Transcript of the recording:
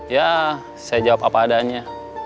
ya saya jawab apa adanya